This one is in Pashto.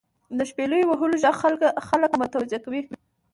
• د شپیلو وهلو ږغ خلک متوجه کوي.